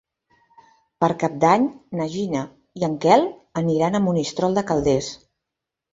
Per Cap d'Any na Gina i en Quel aniran a Monistrol de Calders.